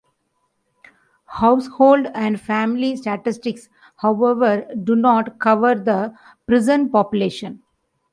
Household and family statistics, however, do not cover the prison population.